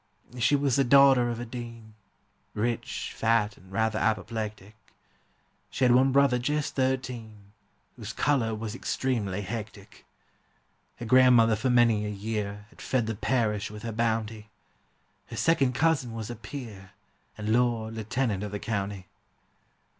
She was the daughter of a dean, Rich, fat, and rather apoplectic; She had one brother just thirteen, Whose color was extremely hectic; Her grandmother for many a year Had fed the parish with her bounty; Her second cousin was a peer, And lord lieutenant of the county.